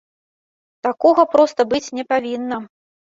Такога проста быць не павінна!